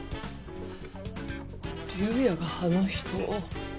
竜也があの人を。